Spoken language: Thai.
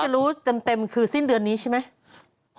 รู้เต็มคือสิ้นเดือนนี้ใช่ไหม